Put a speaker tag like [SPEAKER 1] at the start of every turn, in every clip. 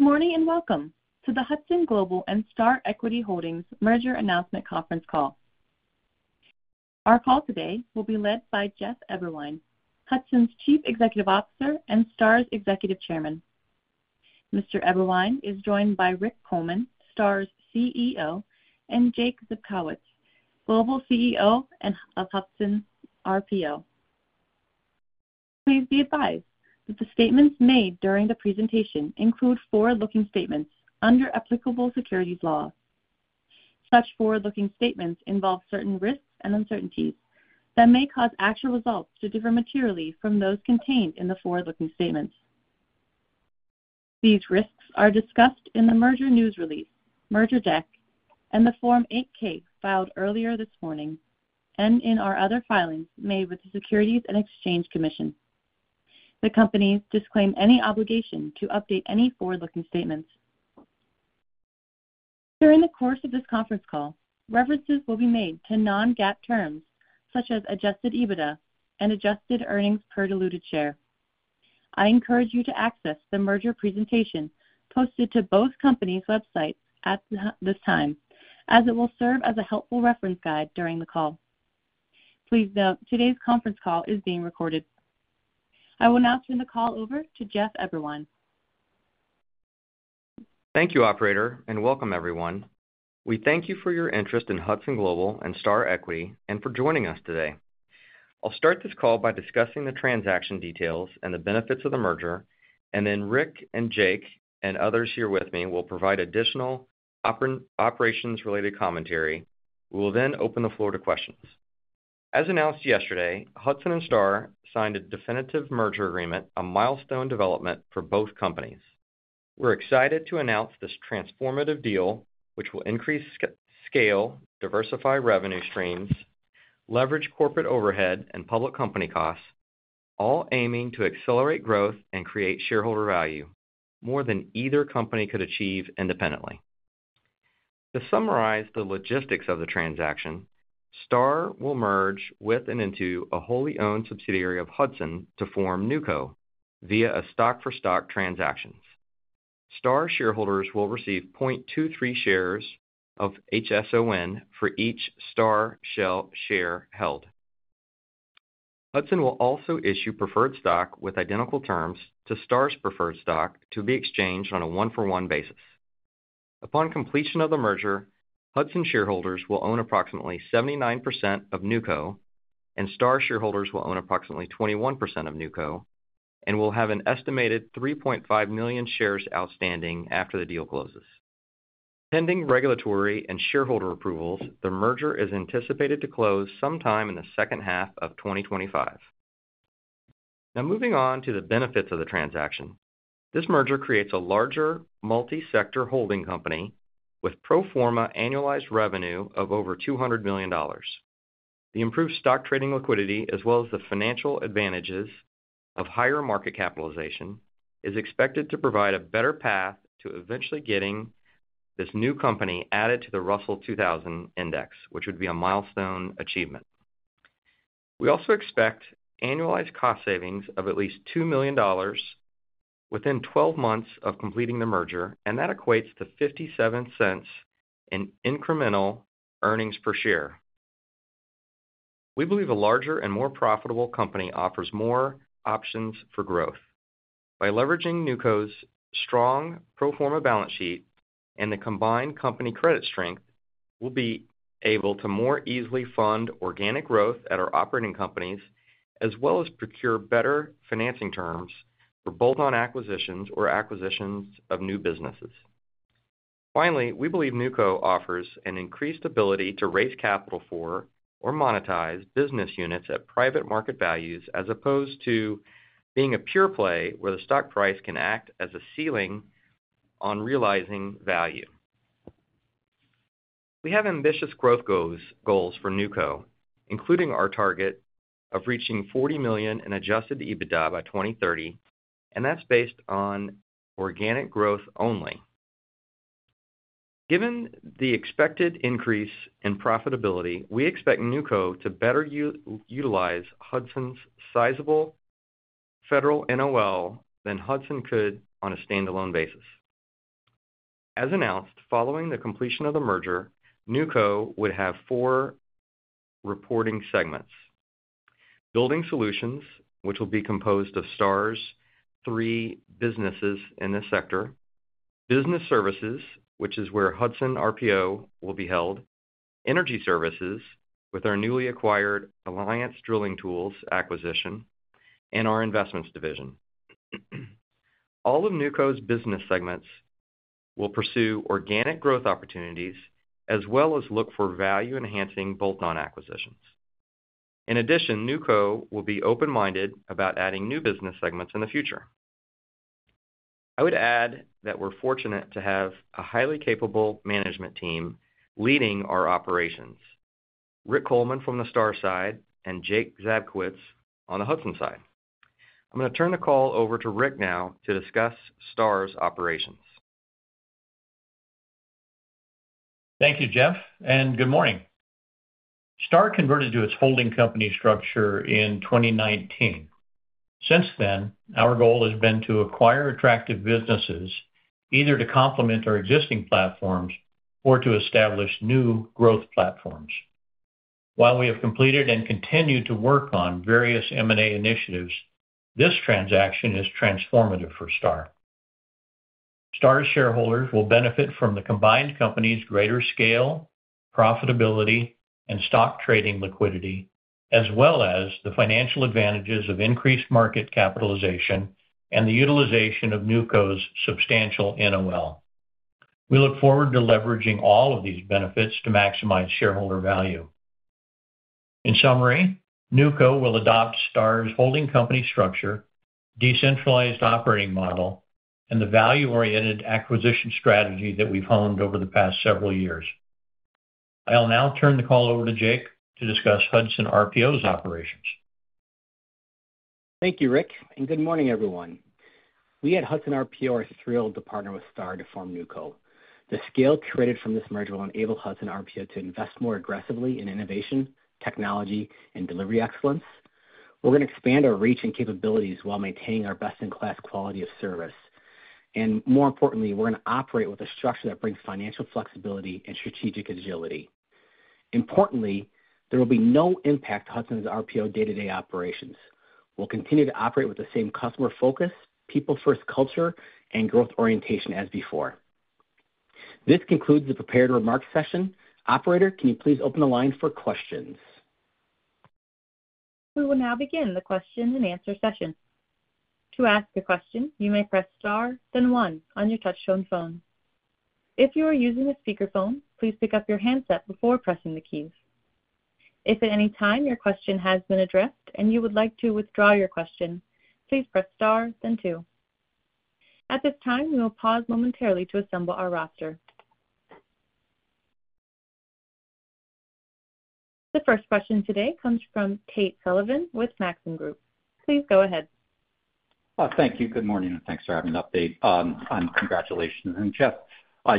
[SPEAKER 1] Good morning and welcome to the Hudson Global and Star Equity Holdings merger announcement conference call. Our call today will be led by Jeff Eberwein, Hudson's Chief Executive Officer and Star's Executive Chairman. Mr. Eberwein is joined by Rick Coleman, Star's CEO, and Jake Zabkowicz, Global CEO of Hudson RPO. Please be advised that the statements made during the presentation include forward-looking statements under applicable securities laws. Such forward-looking statements involve certain risks and uncertainties that may cause actual results to differ materially from those contained in the forward-looking statements. These risks are discussed in the merger news release, merger deck, and the Form 8-K filed earlier this morning and in our other filings made with the Securities and Exchange Commission. The companies disclaim any obligation to update any forward-looking statements during the course of this conference call. References will be made to non-GAAP terms such as adjusted EBITDA and adjusted earnings per diluted share. I encourage you to access the merger presentation posted to both companies' websites at this time as it will serve as a helpful reference guide during the call. Please note today's conference call is being recorded. I will now turn the call over to Jeff Eberwein.
[SPEAKER 2] Thank you, operator, and welcome everyone. We thank you for your interest in Hudson Global and Star Equity and for joining us today. I'll start this call by discussing the transaction details and the benefits of the merger, and then Rick and Jake and others here with me will provide additional operations-related commentary. We will then open the floor to questions. As announced yesterday, Hudson and Star signed a definitive merger agreement, a milestone development for both companies. We're excited to announce this transformative deal, which will increase scale, diversify revenue streams, leverage corporate overhead and public company costs, all aiming to accelerate growth and create shareholder value more than either company could achieve independently. To summarize the logistics of the transaction, Star will merge with and into a wholly owned subsidiary of Hudson to form Newco via a stock-for-stock transaction. Star shareholders will receive 0.23 shares of HSON for each Star share held. Hudson will also issue preferred stock with identical terms to Star's preferred stock to be exchanged on a one for one basis. Upon completion of the merger, Hudson shareholders will own approximately 79% of NewCo and Star shareholders will own approximately 21% of NewCo and will have an estimated 3.5 million shares outstanding after the deal closes pending regulatory and shareholder approvals. The merger is anticipated to close sometime in the second half of 2020. Now moving on to the benefits of the transaction, this merger creates a larger multi sector holding company with pro forma annualized revenue of over $200 million. The improved stock trading liquidity as well as the financial advantages of higher market capitalization is expected to provide a better path to eventually getting this new company added to the Russell 2000 index, which would be a milestone achievement. We also expect annualized cost savings of at least $2 million within 12 months of completing the merger and that equates to $0.57 in incremental earnings per share. We believe a larger and more profitable company offers more options for growth by leveraging NewCo's strong pro forma balance sheet and the combined company credit strength will be able to more easily fund organic growth at our operating companies as well as procure better financing terms for bolt-on acquisitions or acquisitions of new businesses. Finally, we believe NewCo offers an increased ability to raise capital for or monetize business units at private market values as opposed to being a pure play where the stock price can act as a ceiling on realizing value. We have ambitious growth goals for NewCo, including our target of reaching $40 million in adjusted EBITDA by 2030 and that's based on organic growth only. Given the expected increase in profitability, we expect NewCo to better utilize Hudson's sizable federal NOL than Hudson could on a standalone basis. As announced following the completion of the merger, NewCo would have four reporting segments: Building Solutions, which will be composed of Star's three businesses in this sector; Business Services, which is where Hudson RPO will be held; Energy Services, with our newly acquired Alliance Drilling Tools acquisition; and our Investments division. All of NewCo's business segments will pursue organic growth opportunities as well as look for value enhancing bolt-on acquisitions. In addition, NewCo will be open minded about adding new business segments in the future. I would add that we're fortunate to have a highly capable management team leading our operations. Rick Coleman from the Star side and Jake Zabkowicz on the Hudson side. I'm going to turn the call over to Rick now to discuss Star's operations.
[SPEAKER 3] Thank you Jeff and good morning. Star converted to its holding company structure in 2019. Since then our goal has been to acquire attractive businesses either to complement our existing platforms or to establish new growth platforms. While we have completed and continue to work on various M&A initiatives, this transaction is transformative for Star. Star's shareholders will benefit from the combined company's greater scale, profitability, and stock trading liquidity as well as the financial advantages of increased market capitalization and the utilization of NewCo's substantial NOL. We look forward to leveraging all of these benefits to maximize shareholder value. In summary, NewCo will adopt Star's holding company structure, decentralized operating model, and the value-oriented acquisition strategy that we've honed over the past several years. I'll now turn the call over to Jake to discuss Hudson RPO's operations.
[SPEAKER 4] Thank you, Rick, and good morning everyone. We at Hudson RPO are thrilled to partner with Star to form NewCo. The scale created from this merger will enable Hudson RPO to invest more aggressively in innovation, technology, and delivery excellence. We're going to expand our reach and capabilities while maintaining our best-in-class quality of service. More importantly, we're going to operate with a structure that brings financial flexibility and strategic agility. Importantly, there will be no impact on Hudson RPO's day-to-day operations. We'll continue to operate with the same customer focus, people-first culture, and growth orientation as before. This concludes the prepared remarks session. Operator, can you please open the line for questions?
[SPEAKER 1] We will now begin the question and answer session. To ask a question, you may press star then one on your touchtone phone. If you are using a speakerphone, please pick up your handset before pressing the keys. If at any time your question has been addressed and you would like to withdraw your question, please press Star then two. At this time, we will pause momentarily to assemble our roster. The first question today comes from Tate Sullivan with Maxim Group. Please go ahead.
[SPEAKER 5] Thank you. Good morning and thanks for having an update on. Congratulations. Jeff,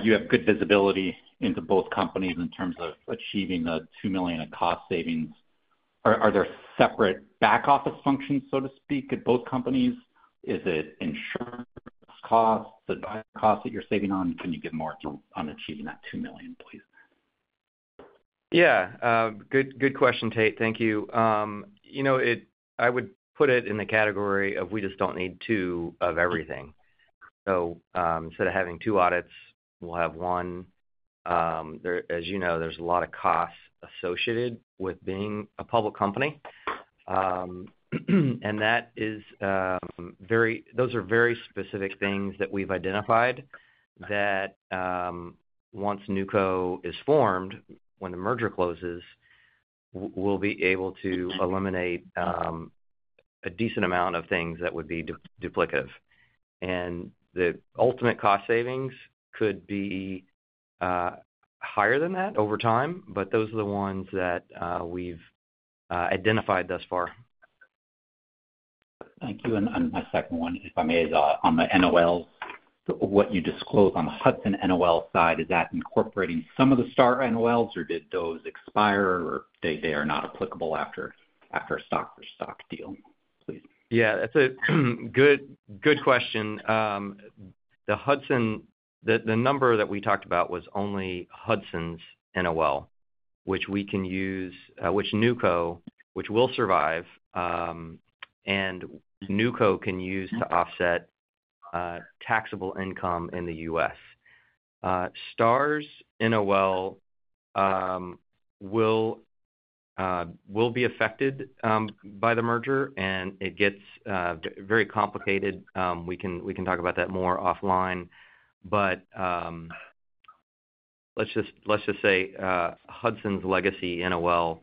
[SPEAKER 5] you have good visibility into both companies in terms of achieving the $2 million of cost savings. Are there separate back office functions, so to speak, at both companies? Is it insurance costs, costs that you're saving on? Can you give more achieving that $2 million, please?
[SPEAKER 2] Yeah. Good question, Tate. Thank you. You know, I would put it in the category of we just do not need two of everything. So instead of having two audits, we will have one. As you know, there is a lot of costs associated with being a public company and that is very. Those are very specific things that we have identified that once NewCo is formed, when the merger closes, we will be able to eliminate a decent amount of things that would be duplicative. The ultimate cost savings could be higher than that over time. Those are the ones that we have identified thus far.
[SPEAKER 5] Thank you. My second one, if I may, is on the NOL. What you disclose on the Hudson NOL side, is that incorporating some of the Star NOLs or did those expire, or are they not applicable after a stock-for-stock deal?
[SPEAKER 2] Yeah. That's a good question. The Hudson, the number that we talked about was only Hudson's NOL, which we can use, which NewCo, which will survive, and NewCo can use to offset taxable income in the U.S. Star's NOL will be affected by the merger, and it gets very complicated. We can talk about that more offline. But. Let's just say Hudson's legacy NOL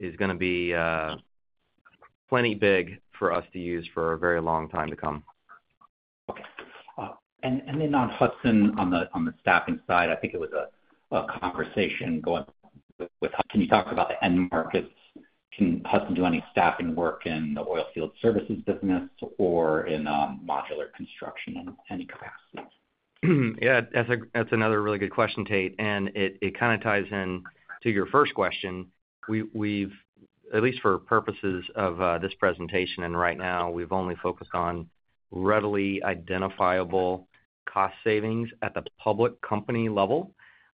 [SPEAKER 2] is going to be plenty big for us to use for a very long time to come.
[SPEAKER 5] On Hudson on the staffing side, I think it was a conversation going with Hudson. Can you talk about the end markets? Can Hudson do any staffing work in the oil field services business or in modular construction in any capacity?
[SPEAKER 2] Yeah, that's another really good question, Tate, and it kind of ties in to your first question. We've at least for purposes of this presentation and right now we've only focused on readily identifiable cost savings at the public company level.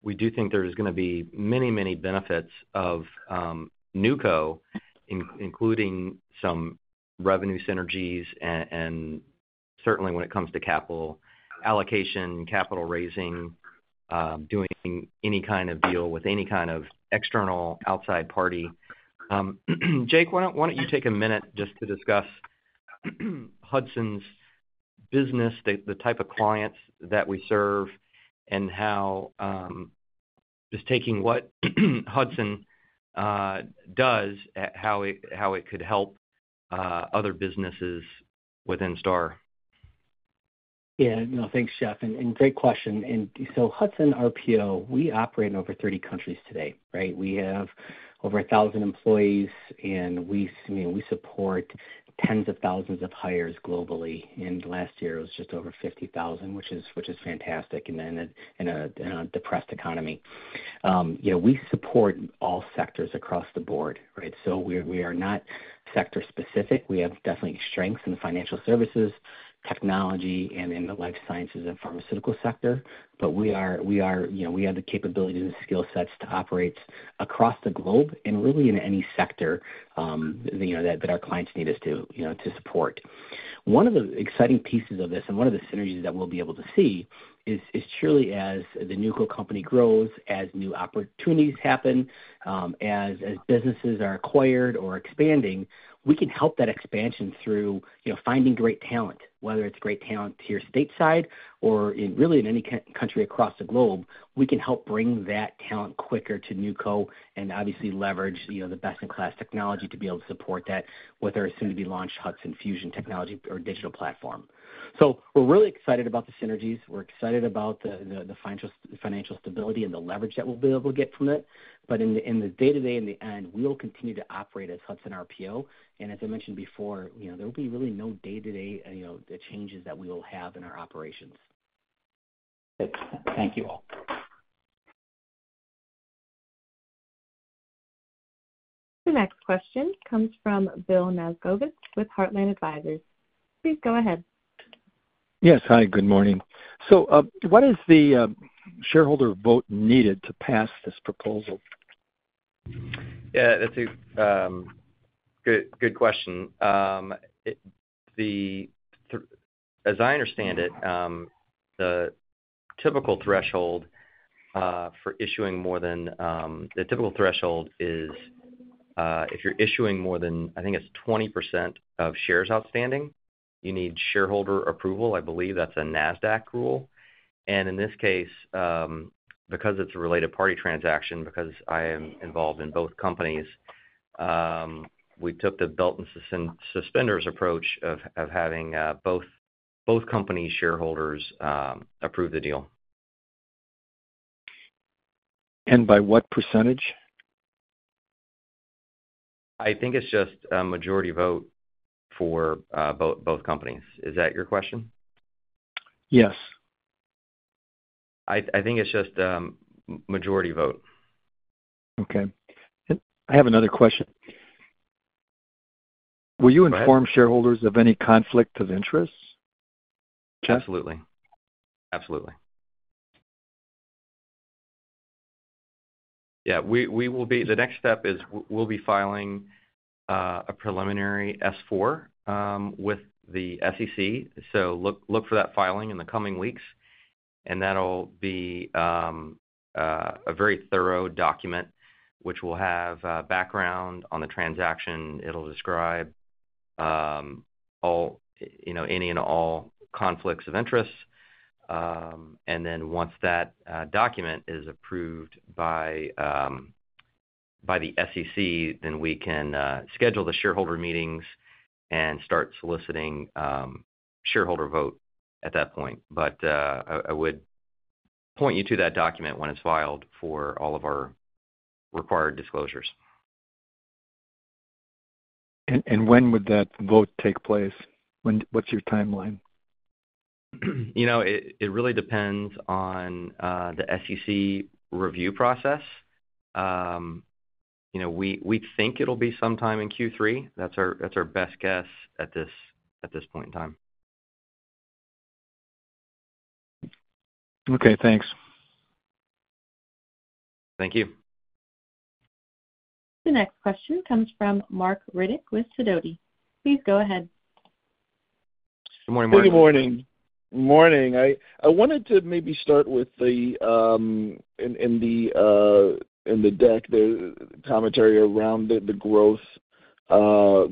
[SPEAKER 2] We do think there's going to be many, many benefits of NewCo, including some revenue synergies and certainly when it comes to capital allocation, capital raising, doing any kind of deal with any kind of external outside party. Jake, why don't you take a minute just to discuss Hudson's business, the type of clients that we serve and how, just taking what Hudson does, how it could help other businesses within Star.
[SPEAKER 4] Yeah, no thanks Jeff, and great question. Hudson RPO, we operate in over 30 countries today, right? We have over 1,000 employees and we support tens of thousands of hires globally. Last year it was just over 50,000, which is fantastic. In a depressed economy, we support all sectors across the board. We are not sector specific. We have definitely strengths in the financial services technology and in the life sciences and pharmaceutical sector. We have the capabilities and skill sets to operate across the globe and really in any sector that our clients need us to support. One of the exciting pieces of this and one of the synergies that we'll be able to see is surely as the NewCo company grows, as new opportunities happen, as businesses are acquired or expanding, we can help that expansion through finding great talent, whether it's great talent here, stateside or really in any country across the globe, we can help bring that talent quicker to NewCo and obviously leverage the best in class technology to be able to support that, whether soon to be launch Hudson Fusion technology or digital platform. We are really excited about the synergies, we are excited about the financial stability and the leverage that we'll be able to get from it. In the day to day, in the end, we will continue to operate as Hudson RPO. As I mentioned before, there will be really no day-to-day changes that we will have in our operations.
[SPEAKER 5] Thank you all.
[SPEAKER 1] The next question comes from Bill Nasgovitz with Heartland Advisors. Please go ahead.
[SPEAKER 6] Yes. Hi, good morning. What is the shareholder vote needed to pass this proposal?
[SPEAKER 2] Yeah, that's a good question. As I understand it, the typical threshold for issuing more than, the typical threshold is if you're issuing more than, I think it's 20% of shares outstanding, you need shareholder approval. I believe that's a NASDAQ rule. In this case, because it's a related party transaction, because I am involved in both companies, we took the belt and suspenders approach of having both company shareholders approve the deal.
[SPEAKER 6] By what percentage?
[SPEAKER 2] I think it's just a majority vote for both companies. Is that your question?
[SPEAKER 6] Yes,
[SPEAKER 2] I think it's just majority vote.
[SPEAKER 6] Okay, I have another question. Will you inform shareholders of any conflict of interest?
[SPEAKER 2] Absolutely, absolutely. Yeah, we will be. The next step is we'll be filing a preliminary S-4 with the SEC. Look for that filing in the coming weeks. That'll be a very thorough document which will have background on the transaction. It'll describe all, you know, any and all conflicts of interest. Once that document is approved by the SEC, we can schedule the shareholder meetings and start soliciting shareholder vote at that point. I would point you to that document when it's filed for all of our required disclosures.
[SPEAKER 6] And when would that vote take place? When? What's your timeline?
[SPEAKER 2] You know, it really depends on the SEC review process. You know, we think it'll be sometime in Q3. That's our best guess at this, at this point in time.
[SPEAKER 6] Okay, thanks.
[SPEAKER 2] Thank you.
[SPEAKER 1] The next question comes from Marc Riddick with Sidoti. Please go ahead.
[SPEAKER 3] Good morning, Marc.
[SPEAKER 7] Good morning. Morning. I wanted to maybe start with in the deck, the commentary around the growth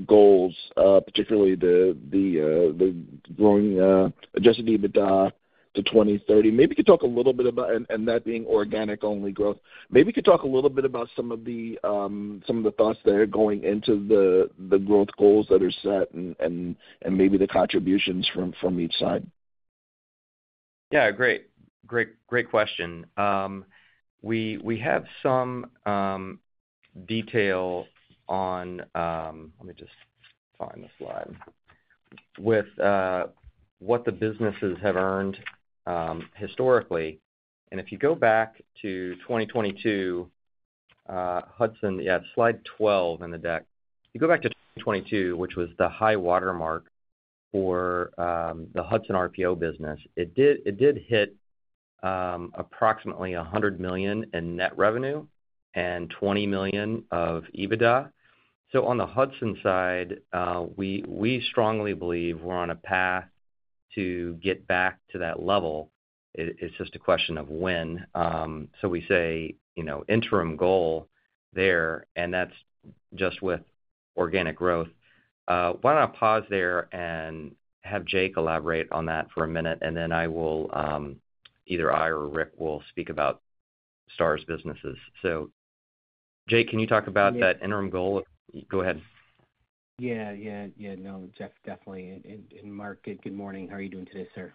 [SPEAKER 7] goals, particularly the growing adjusted EBITDA to 2030. Maybe you could talk a little bit about, and that being organic-only growth. Maybe you could talk a little bit about some of the thoughts that are going into the growth goals that are set and maybe the contributions from each side.
[SPEAKER 2] Yeah, great, great question. We have some detail on let me just find the slide with. What the businesses have earned historically. If you go back to 2022, Hudson, yeah, slide 12 in the deck, you go back to 2022, which was the high watermark for the Hudson RPO business. It did hit approximately $100 million in net revenue and $20 million of EBITDA. On the Hudson side, we strongly believe we're on a path to get back to that level. It's just a question of when. We say interim goal there and that's just with organic growth. Why don't I pause there and have Jake elaborate on that for a minute and then I will, either I or Rick will speak about Star's businesses. Jake, can you talk about that interim goal? Go ahead.
[SPEAKER 4] Yeah, yeah. No, Jeff, definitely. Marc, good morning. How are you doing today, sir?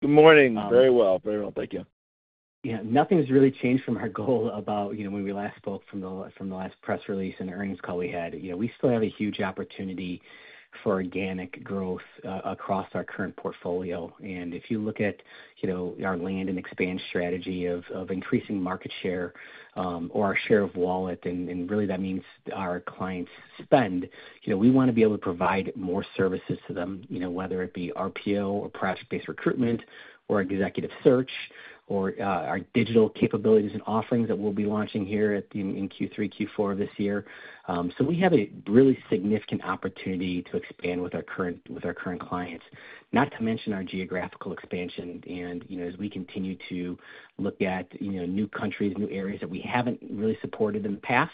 [SPEAKER 7] Good morning. Very well, very well, thank you.
[SPEAKER 4] Yeah, nothing's really changed from our goal about, you know, when we last spoke, from the, from the last press release and the earnings call we had. You know, we still have a huge opportunity for organic growth across our current portfolio. And if you look at, you know, our land and expand strategy of increasing market share or our share of wallet and really that means our clients spend, we want to be able to provide more services to them, whether it be RPO or project based recruitment or executive search or our digital capabilities and offerings that we'll be launching here in Q3, Q4 of this year. We have a really significant opportunity to expand with our current clients, not to mention our geographical expansion. And as we continue to look at new countries, new areas that we haven't really supported in the past.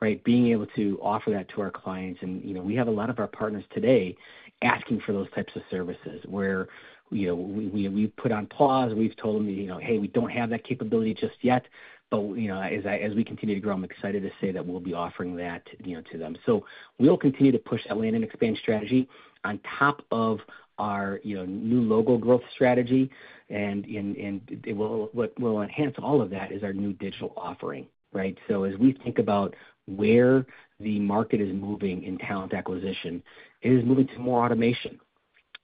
[SPEAKER 4] Right. Being able to offer that to our clients. You know, we have a lot of our partners today asking for those types of services where, you know, we put on pause. We've told them, you know, hey, we don't have that capability just yet. You know, as we continue to grow, I'm excited to say that we'll be offering that to them. We will continue to push that land and expand strategy on top of our new logo growth strategy. What will enhance all of that is our new digital offering. Right. As we think about where the market is moving in, talent acquisition is moving to more automation.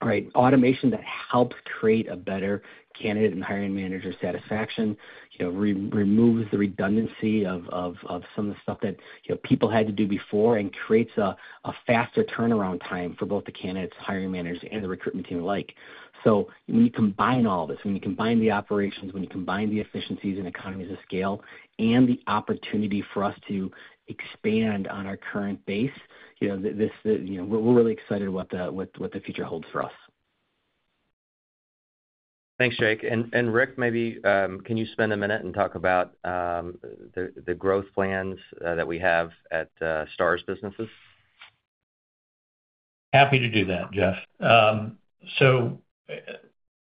[SPEAKER 4] Right? Automation that helps create a better candidate and hiring manager satisfaction, you know, removes the redundancy of some of the stuff that, you know, people had to do before and creates a faster turnaround time for both the candidates, hiring managers and the recruitment team alike. When you combine all this, when you combine the operations, when you combine the efficiencies and economies of scale and the opportunity for expand on our current base, you know, we're really excited what the future holds for us.
[SPEAKER 2] Thanks Jake. And Rick, maybe can you spend a minute and talk about the growth plans that we have at Star's businesses?
[SPEAKER 3] Happy to do that Jeff.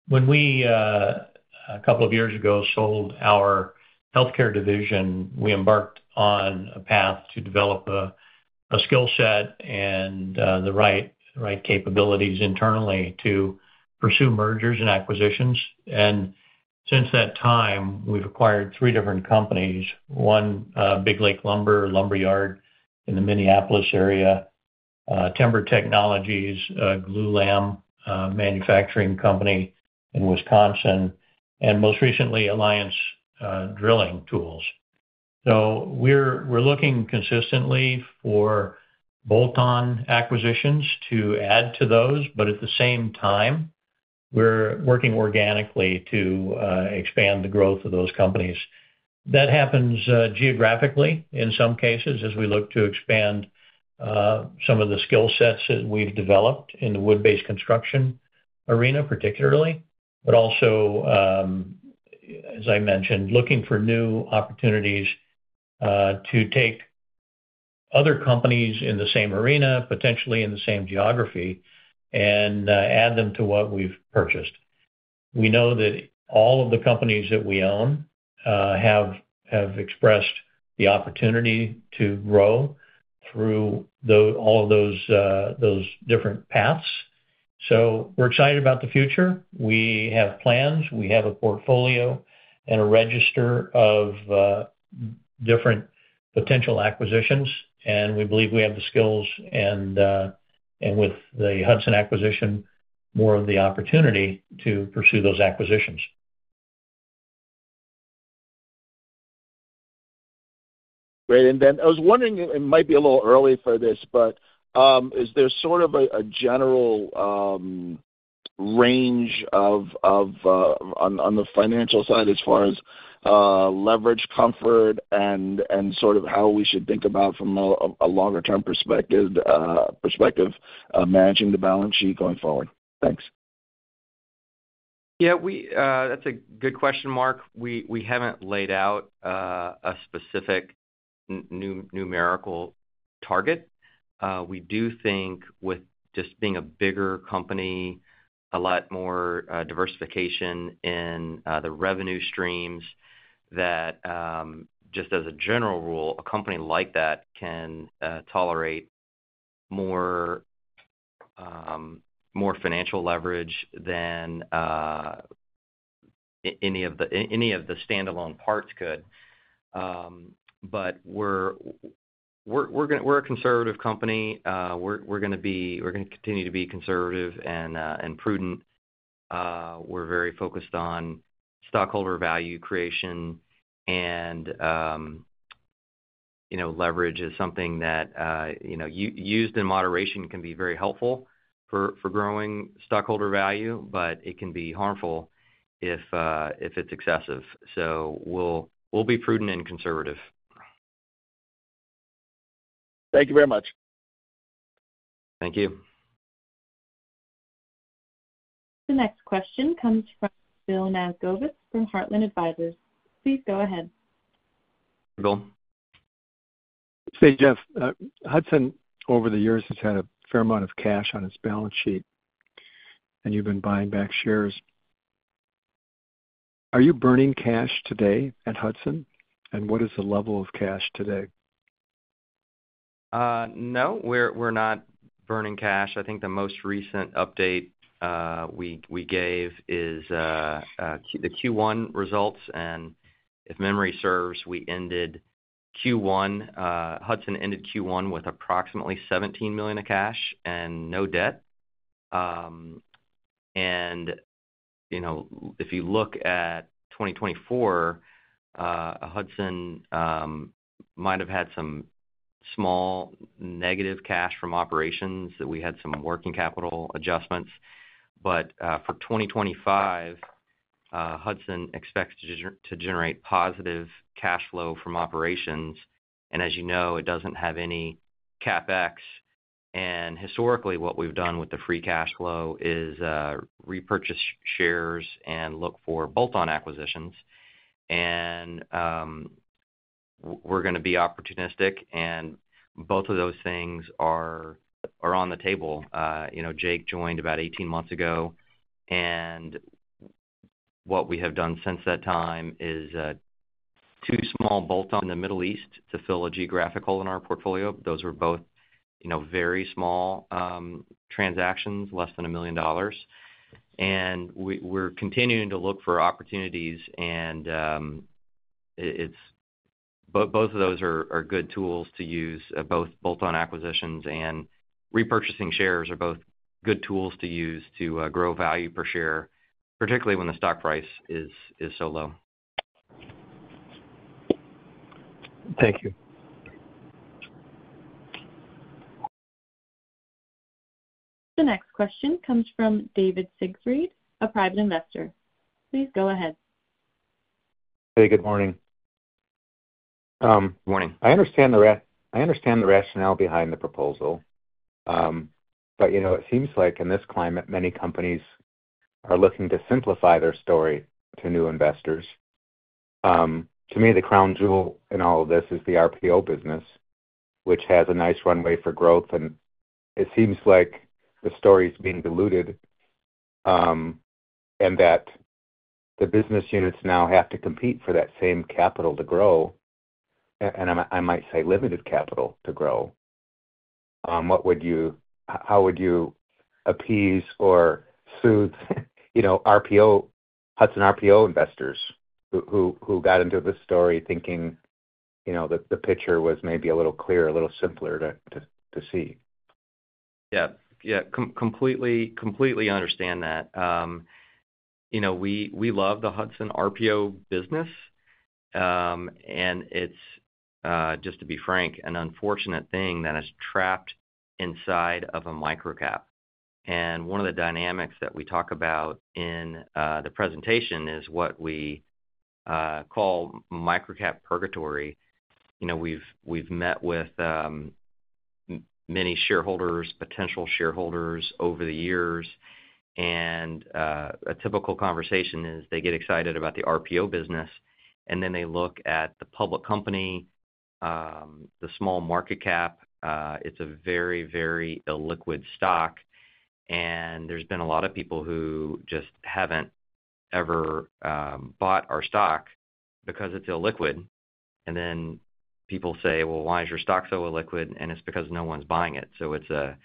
[SPEAKER 3] When we a couple of years ago sold our healthcare division, we embarked on a path to develop a skill set and the right capabilities internally to pursue mergers and acquisitions. Since that time we've acquired three different companies. One, Big Lake Lumber lumberyard in the Minneapolis area, Timber Technologies, glulam manufacturing company in Wisconsin, and most recently Alliance Drilling Tools. We're looking consistently for bolt-on acquisitions to add to those but at the same time we're working organically to expand the growth of those companies. That happens geographically in some cases as we look to expand some of the skill sets that we've developed in the wood based construction arena particularly, but also as I mentioned, looking for new opportunities to take other companies in the same arena, potentially in the same geography and add them to what we've purchased. We know that all of the companies that we own have expressed the opportunity to grow through all of those different paths. We are excited about the future. We have plans, we have a portfolio and a register of different potential acquisitions and we believe we have the skills and, with the Hudson acquisition, more of the opportunity to pursue those acquisitions.
[SPEAKER 7] Great. I was wondering it might be a little early for this, but. Is there sort of a general range on the financial side as far as leverage, comfort and sort of how we should think about from a longer term perspective, managing the balance sheet going forward? Thanks.
[SPEAKER 2] Yeah, that's a good question, Marc. We haven't laid out a specific new numerical target. We do think with just being a bigger company, a lot more diversification in the revenue streams that just as a general rule a company like that can tolerate more financial leverage than any of the standalone parts could. But we're a conservative company. We're going to continue to be conservative and prudent. We're very focused on stockholder value creation and you know, leverage is something that, you know, used in moderation can be very helpful for growing stockholder value but it can be harmful if it's excessive. We'll be prudent and conservative.
[SPEAKER 7] Thank you very much.
[SPEAKER 2] Thank you.
[SPEAKER 1] The next question comes from Bill Nasgovitz from Heartland Advisors. Please go ahead, Bill.
[SPEAKER 6] Say Jeff, Hudson over the years has had a fair amount of cash on its balance sheet and you've been buying back shares. Are you burning cash today at Hudson and what is the level of cash today?
[SPEAKER 2] No, we're not burning cash. I think the most recent update we gave is the Q1 results. And if memory serves, we ended Q1. Hudson ended Q1 with approximately $17 million of cash and no debt. And, you know, if you look at 2024, Hudson might have had some small negative cash from operations, that we had some working capital adjustments. But for 2025, Hudson expects to generate positive cash flow from operations. And as you know, it doesn't have any CapEx. And historically, what we've done with the free cash flow is repurchase shares and look for bolt-on acquisitions, and we're going to be opportunistic. And both of those things are on the table. Jake joined about 18 months ago, and what we have done since that time is two small bolt-ons in the Middle East to fill a geographic hole in our portfolio. Those were both very small transactions, less than $1 million, and we're continuing to look for opportunities. Both of those are good tools to use. Both bolt-on acquisitions and repurchasing shares are both good tools to use to grow value per share, particularly when the stock price is so low.
[SPEAKER 6] Thank you.
[SPEAKER 1] The next question comes from David Siegfried, a private investor. Please go ahead.
[SPEAKER 8] Hey, good morning.
[SPEAKER 2] Morning.
[SPEAKER 8] I understand the rationale behind the proposal. You know, it seems like in this climate, many companies are looking to simplify their story to new investors. To me, the crown jewel in all of this is the RPO business, which has a nice runway for growth. It seems like the story is being diluted and that the business units now have to compete for that same capital to grow, and I might say limited capital to grow. How would you appease or soothe RPO, Hudson RPO investors who got into this story thinking, you know, that the picture was maybe a little clearer, a little simpler to see.
[SPEAKER 2] Yeah, yeah, completely, completely understand that. You know, we love the Hudson RPO business, and it's just, to be frank, an unfortunate thing that is trapped inside of a micro cap. One of the dynamics that we talk about in the presentation is what we call microcap purgatory. You know, we've met with many shareholders, potential shareholders over the years, and a typical conversation is they get excited about the RPO business and then they look at the public company, the small market cap. It's a very, very illiquid stock. There's been a lot of people who just haven't ever bought our stock because it's illiquid. Then people say, why is your stock so illiquid and it's because no one's buying it. It's a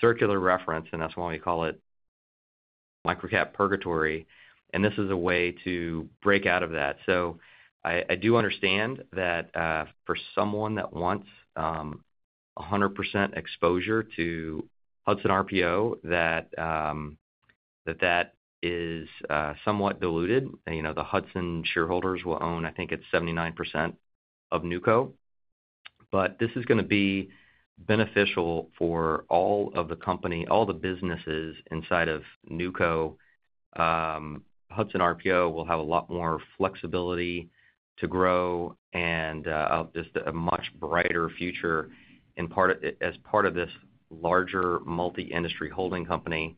[SPEAKER 2] circular reference and that's why we call it microcap purgatory. This is a way to break out of that. I do understand that for someone that wants 100% exposure to Hudson RPO, that is somewhat diluted. The Hudson shareholders will own, I think it's 79% of NewCo. This is going to be beneficial for all of the company, all the businesses inside of NewCo. Hudson RPO will have a lot more flexibility to grow and just a much brighter future as part of this larger multi industry holding company.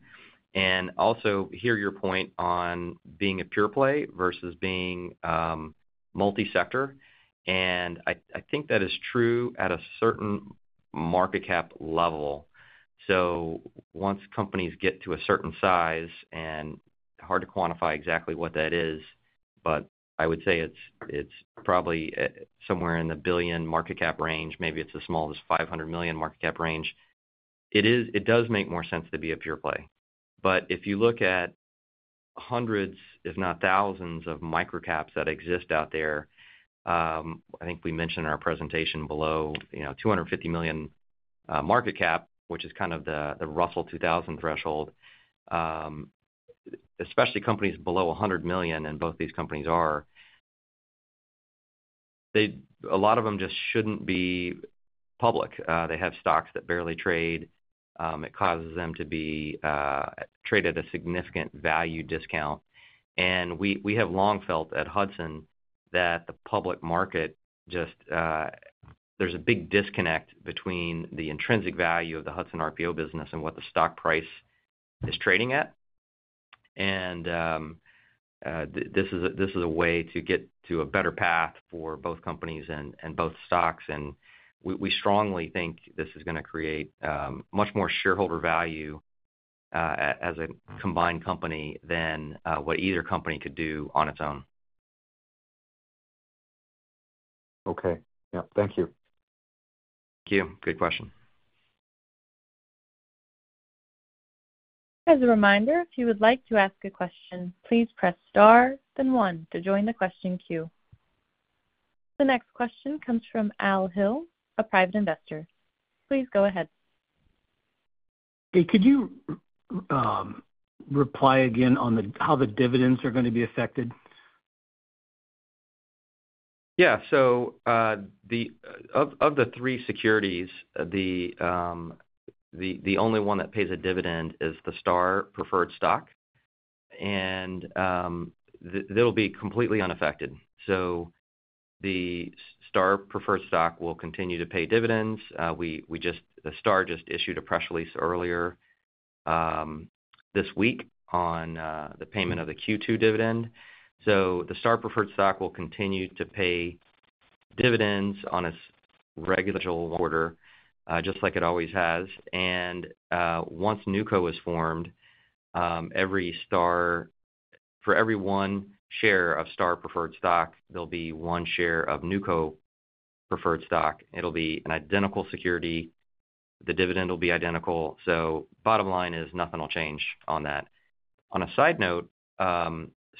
[SPEAKER 2] I also hear your point on being a pure play versus being multi sector. I think that is true at a certain market cap level. Once companies get to a certain size, and hard to quantify exactly what that is, but I would say it's probably somewhere in the billion market cap range. Maybe it's as small as $500 million market cap range, it does make more sense to be a pure play. If you look at hundreds if not thousands of microcaps that exist out there, I think we mentioned in our presentation below $250 million market cap, which is kind of the Russell 2000 threshold, especially companies below $100 million and both these companies, a lot of them just shouldn't be public. They have stocks that barely trade. It causes them to be traded at a significant value discount. We have long felt at Hudson that the public market just, there's a big disconnect between the intrinsic value of the Hudson RPO business and what the stock price is trading at. This is a way to get to a better path for both companies and both stocks. We strongly think this is going to create much more shareholder value as a combined company than what either company could do on its own.
[SPEAKER 8] Okay. Yep. Thank you.
[SPEAKER 2] Good question.
[SPEAKER 1] As a reminder, if you would like to ask a question, please press Star then one to join the question queue. The next question comes from Al Hill, a private investor. Please go ahead. Hey, could you reply again on the how the dividends are going to be affected?
[SPEAKER 2] Yeah. So of the three securities, the only one that pays a dividend is the Star Preferred stock and they'll be completely unaffected. The Star Preferred stock will continue to pay dividends. Star just issued a press release earlier this week on the payment of the Q2 dividend. The Star Preferred stock will continue to pay dividends on its regular order, just like it always has. Once Newco is formed, for every one share of Star Preferred stock, there'll be one share of NewCo Preferred stock. It'll be an identical security. The dividend will be identical. Bottom line is nothing will change on that. On a side note,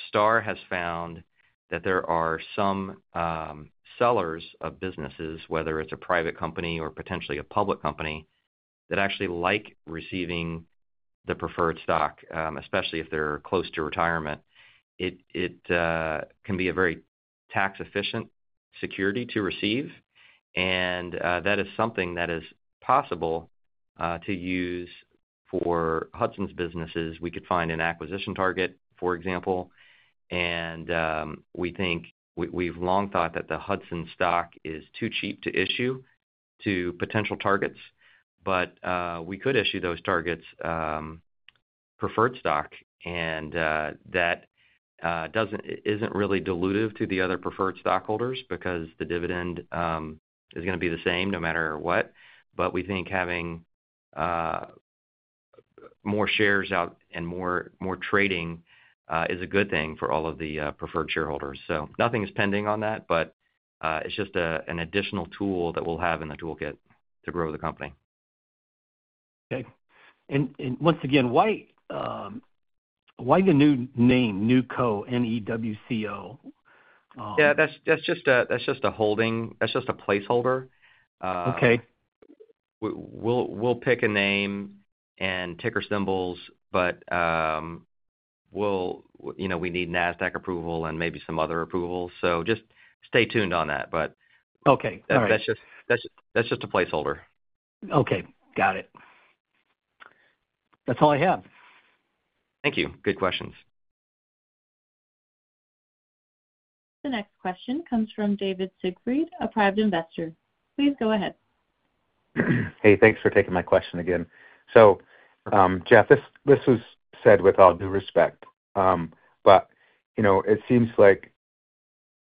[SPEAKER 2] Star has found that there are some sellers of businesses, whether it's a private company or potentially a public company, that actually like receiving the preferred stock, especially if they're close to retirement. It can be a very tax efficient security to receive and that is something that is possible to use for Hudson's businesses. We could find an acquisition target, for example, and we think, we've long thought that the Hudson stock is too cheap to issue to potential targets, but we could issue those targets preferred stock and that isn't really dilutive to the other preferred stockholders because the dividend is going to be the same no matter what. We think having more shares out and more, more trading is a good thing for all of the preferred shareholders. Nothing's pending on that, but it's just an additional tool that we'll have in the toolkit to grow the company. Okay, and once again, why, why the. New name Newco NEWCO? Yeah, that's just a placeholder. Okay. We'll pick a name and ticker symbols, but we need NASDAQ approval and maybe some other approvals, so just stay tuned on that. Okay, that's just a placeholder. Okay, got it. That's all I have. Thank you. Good questions.
[SPEAKER 1] The next question comes from David Siegfried, a private investor. Please go ahead.
[SPEAKER 8] Hey, thanks for taking my question again. Jeff, this was said with all due respect, but, you know, it seems like,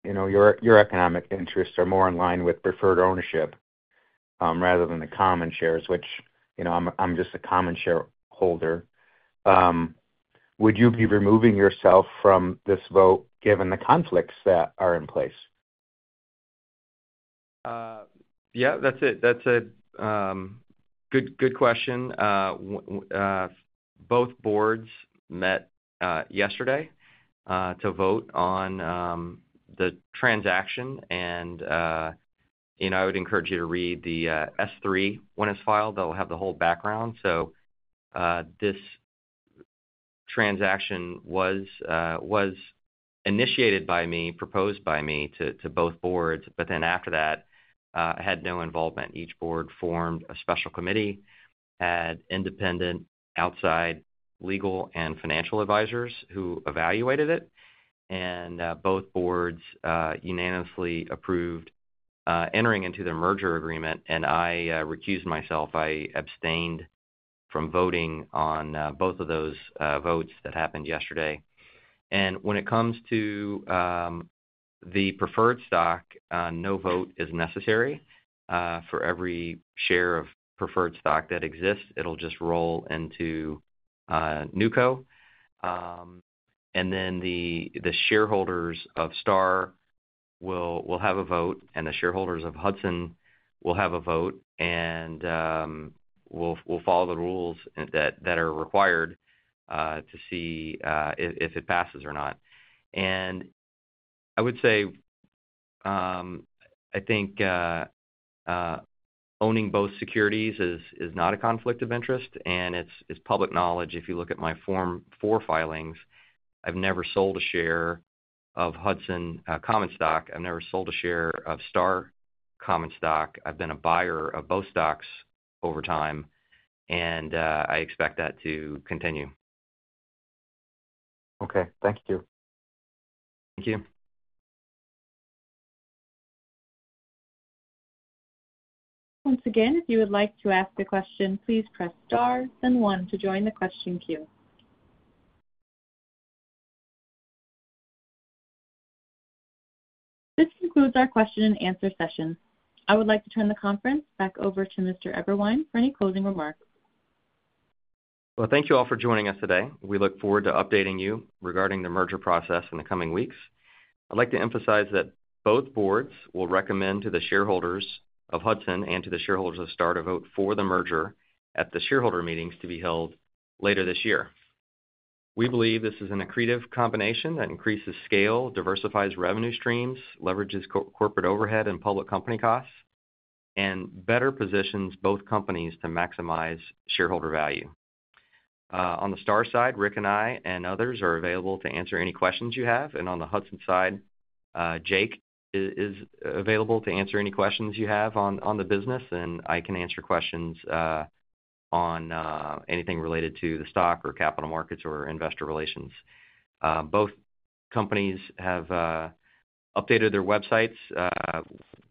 [SPEAKER 8] you know, your economic interests are more in line with preferred ownership rather than the common shares, which, you know, I'm just a common shareholder. Would you be removing yourself from this vote given the conflicts that are in place?
[SPEAKER 2] Yeah, that's it. That's a good, good question. Both boards met yesterday to vote on the transaction. I would encourage you to read the S-4 when its filed. That will have the whole background. This transaction was initiated by me, proposed by me to both boards, but then after that I had no involvement. Each board formed a special committee, had independent outside legal and financial advisors who evaluated it. Both boards unanimously approved entering into their merger agreement. I recused myself. I abstained from voting on both of those votes. That happened yesterday. When it comes to the preferred stock, no vote is necessary. For every share of preferred stock that exists, it'll just roll into Newco, and then the shareholders of Star will have a vote and the shareholders of Hudson will have a vote, and we will follow the rules that are required to see if it passes or not. I would say I think owning both securities is not a conflict of interest. It is public knowledge, if you look at my Form 4 filings, I have never sold a share of Hudson common stock. I have never sold a share of Star common stock. I have been a buyer of both stocks over time, and I expect that to continue.
[SPEAKER 8] Okay, thank you.
[SPEAKER 2] Thank you.
[SPEAKER 1] Once again, if you would like to ask a question, please press star then one to join the question queue. This concludes our question and answer session. I would like to turn the conference back over to Mr. Eberwein for any closing remarks.
[SPEAKER 2] Thank you all for joining us today. We look forward to updating you regarding the merger process in the coming weeks. I'd like to emphasize that both boards will recommend to the shareholders of Hudson and to the shareholders of Star a vote for the merger at the shareholder meetings to be held later this year. We believe this is an accretive combination that increases scale, diversifies revenue streams, leverages corporate overhead and public company costs, and better positions both companies to maximize shareholder value. On the Star side, Rick and I and others are available to answer any questions you have. On the Hudson side, Jake is available to answer any questions you have on the business. I can answer questions on anything related to the stock or capital markets or investor relations. Both companies have updated their websites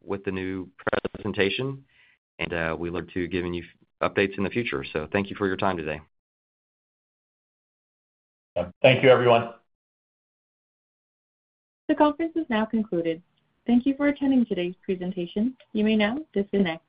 [SPEAKER 2] with the new presentation, and we look to giving you updates in the future. Thank you for your time today.
[SPEAKER 3] Thank you, everyone.
[SPEAKER 1] The conference is now concluded. Thank you for attending today's presentation. You may now disconnect.